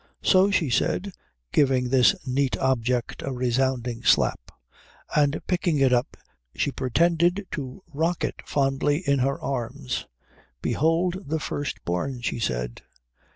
"So," she said, giving this neat object a resounding slap: and picking it up she pretended to rock it fondly in her arms. "Behold the First Born," she said.